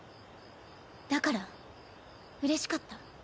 だからうれしかった。